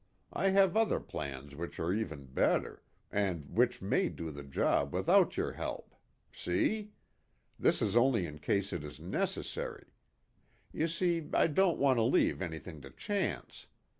I have other plans which are even better, and which may do the job without your help. See? This is only in case it is necessary. You see I don't want to leave anything to chance.